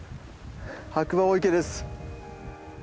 白馬大池です。